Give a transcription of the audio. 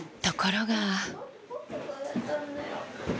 ところが。